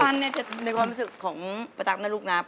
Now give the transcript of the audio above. ปันเนี่ยในความรู้สึกของปั๊ะตั๊กนั่นลูกนะ